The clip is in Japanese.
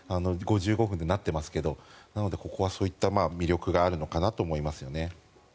５５分ってなってますけどなので、ここはそういった魅力があるのかなと思います。